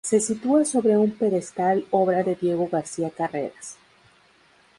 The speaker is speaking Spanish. Se sitúa sobre un pedestal obra de Diego García Carreras.